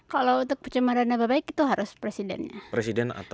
kalau untuk pencemaran nama baik itu harus presiden